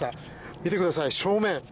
見てください、正面。